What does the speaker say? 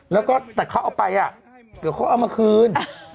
แล้วก็แต่เขาเอาไปอ่ะเดี๋ยวเขาเอามาคืน